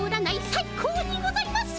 最高にございます！